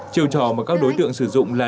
chiều trò mà các đối tượng sử dụng là